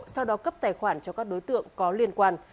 sau đó cấp tài khoản cho các đối tượng có liên quan